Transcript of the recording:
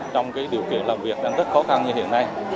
trong điều kiện làm việc đang rất khó khăn như hiện nay